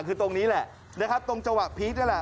คือตรงนี้แหละตรงจวักพีคนี่แหละ